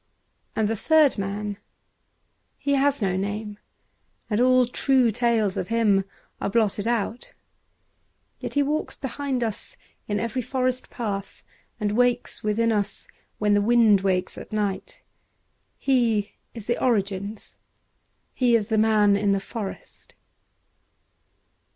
And the third man : he has no name, and all true tales of him are blotted out ; yet he walks behind us in every forest path and wakes within us when the wind wakes at night. He is the origins — he is the man in the forest.